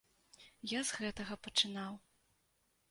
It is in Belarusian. Я з гэтага пачынаў.